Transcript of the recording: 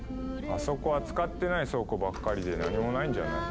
あそこは使ってない倉庫ばっかりで何もないんじゃない？